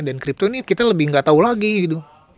dan crypto ini kita lebih nggak tahu lagi gitu